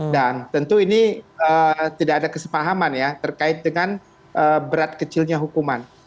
tentu ini tidak ada kesepahaman ya terkait dengan berat kecilnya hukuman